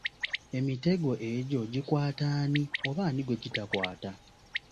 Emitego egyo gikwata ani oba ani gwe gitakwata?